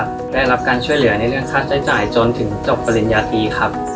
ก็ได้รับการช่วยเหลือในเรื่องค่าใช้จ่ายจนถึงจบปริญญาตรีครับ